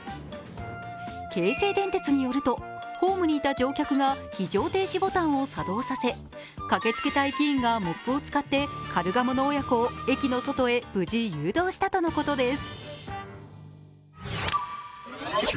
京成電鉄によると、ホームにいた乗客が非常停止ボタンを作動させ、駆けつけた駅員がモップを使ってカルガモの親子を駅の外へ無事誘導したとのことです。